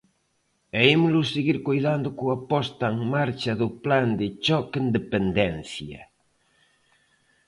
E ímolos seguir coidando coa posta en marcha do Plan de choque en dependencia.